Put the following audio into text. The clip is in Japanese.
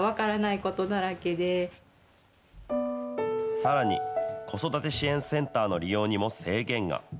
さらに、子育て支援センターの利用にも制限が。